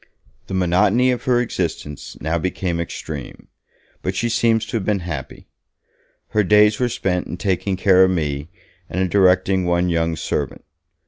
The monotony of her existence now became extreme, but she seems to have been happy. Her days were spent in taking care of me, and in directing one young servant.